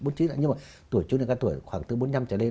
nhưng mà tuổi trung niên cao tuổi khoảng từ bốn mươi năm trở lên